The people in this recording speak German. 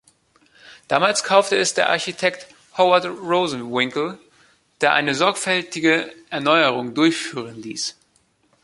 Damals kaufte es der Architekt Howard Rosenwinkel, der eine sorgfältige Erneuerung durchführen ließ.